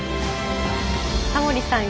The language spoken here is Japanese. タモリさん